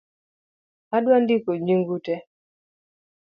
Adwa ndiko nying'u tee